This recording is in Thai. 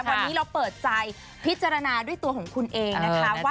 วันนี้เราเปิดใจพิจารณาด้วยตัวของคุณเองนะคะว่า